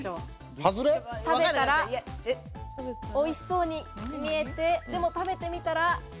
おいしそうに見えて、でも食べてみたら。